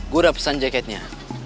gua udah pesan jaketnya